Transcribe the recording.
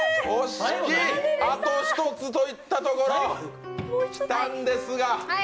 あと１つといったところきたんですが。